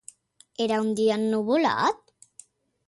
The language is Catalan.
Era un dia ennuvolat?